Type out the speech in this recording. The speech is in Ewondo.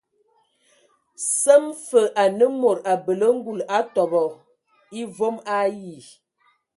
Səm fə anə mod abələ ngul atɔbɔ e vom ayi.